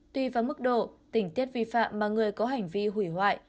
tùy vào mức độ tỉnh tiết vi phạm mà người có hành vi hủy hoại